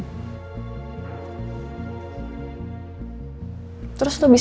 ocupati saya fxt lagi belum